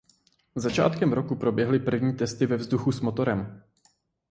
Začátkem roku proběhly první testy ve vzduchu s motorem.